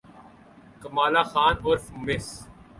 کمالہ خان عرف مس